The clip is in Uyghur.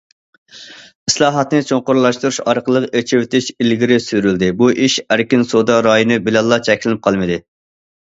ئىسلاھاتنى چوڭقۇرلاشتۇرۇش ئارقىلىق، ئېچىۋېتىش ئىلگىرى سۈرۈلدى، بۇ ئىش ئەركىن سودا رايونى بىلەنلا چەكلىنىپ قالمىدى.